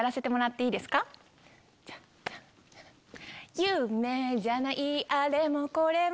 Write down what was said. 夢じゃないあれもこれも